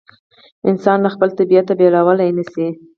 انسان یې له خپل طبیعت بېلولای نه شي.